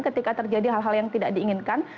ketika terjadi hal hal yang tidak diinginkan